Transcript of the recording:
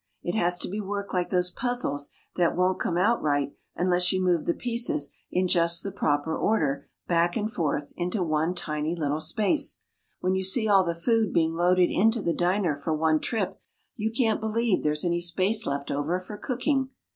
It has to be worked like those puzzles that won't come out right unless you move the pieces in just the proper order back and forth into one tiny little space. When you see all the food being loaded into the diner for one trip, you can't believe there's any space left over for cooking.